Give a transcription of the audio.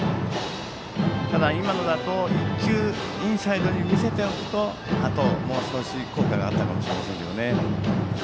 ただ、今のだと１球、インサイドに見せておくともう少し効果があったかもしれませんけどね。